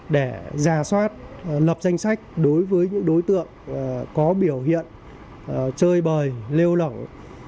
để giả soát lập danh sách đối với những đối tượng có biểu hiện chơi bời lêu lỏng